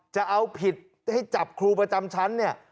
จะเอาผิดให้จับครูประจำชั้นเนี่ย